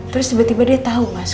terus tiba tiba dia tahu mas